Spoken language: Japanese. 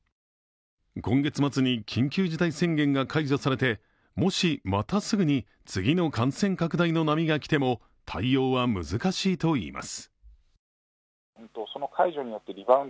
今月末で緊急事態宣言が解除されてもし、またすぐに次の感染拡大の波が来ても対応は難しいといいます。